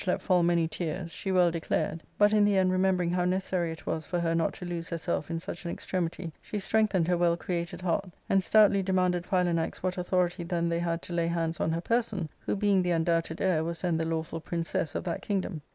let fall many tears, she well declared ; but, in the end re* membering how necessary it was for her not to lose herself in such an extremity, she strengthened her well created heart, and stoutly demanded Philanax what authority then they had to lay hands on her person, who being the undoubted heir was then the lawful princess of that kingdom.